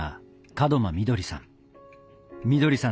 門真みどりさん。